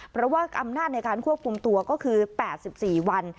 เพราะว่าอำนาจในการควบคุมตัวก็คือ๘๔วัน